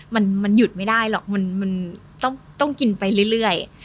มันหยุดไม่ได้หรอกมันต้องกินไปเรื่อย